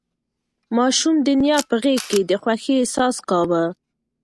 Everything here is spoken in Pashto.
ماشوم د نیا په غېږ کې د خوښۍ احساس کاوه.